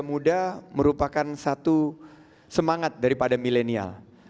lakman kerja muda merupakan satu semangat daripada milenial